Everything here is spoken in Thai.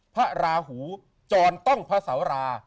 พระราหูจรต้องพระสารา